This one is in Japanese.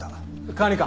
管理官！